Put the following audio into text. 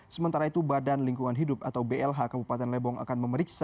sementara itu badan lingkungan hidup atau blh kabupaten lebong akan memeriksa